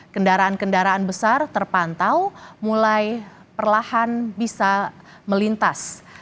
kendaraan kendaraan besar terpantau mulai perlahan bisa melintas